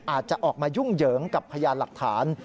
อาจจะออกมายุ่งเหยิงกับพยานหลักฐาน